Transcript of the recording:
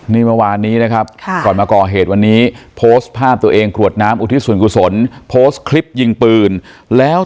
นี่เมื่อวานนี้นะครับก่อนมาก่อเหตุวันนี้โพสต์ภาพตัวเองกรวดน้ำอุทิศส่วนกุศลโพสต์คลิปยิงปืนแล้ว